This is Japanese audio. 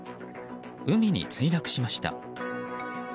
海に墜落しました。